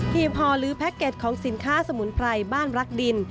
ห่อหรือแพ็คเก็ตของสินค้าสมุนไพรบ้านรักดิน